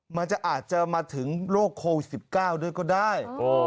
มันจะอาจจะมาถึงโรคโควิด๑๙ด้วยก็ได้